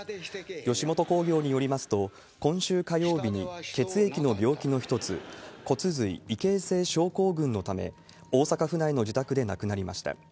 吉本興業によりますと、今週火曜日に血液の病気の一つ、骨髄異形成症候群のため、大阪府内の自宅で亡くなりました。